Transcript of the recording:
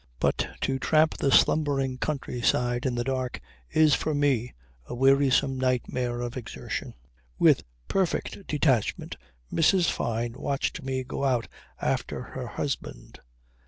But to tramp the slumbering country side in the dark is for me a wearisome nightmare of exertion. With perfect detachment Mrs. Fyne watched me go out after her husband.